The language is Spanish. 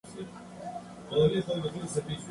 El vídeo culmina con un baile de manos arriba.